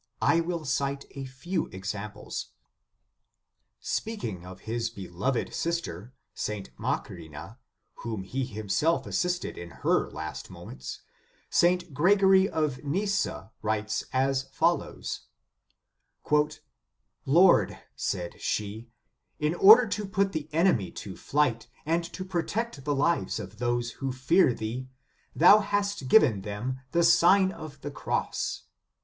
I will cite a few examples. Speaking of his beloved sister, St. Macrina, whom he himself assisted in her last mo ments, St. Gregory of Nyssa, writes as fol In the Nineteenth Century. 153 lows: " Lord, said she, in order to put the enemy to flight, and to protect the lives of those who fear thee, thou hast given them the Sign of the Cross.